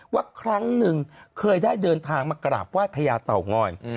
ครั้งหนึ่งเคยได้เดินทางมากราบไหว้พญาเต่างอย